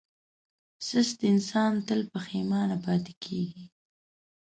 سست انسان تل پښېمانه پاتې کېږي.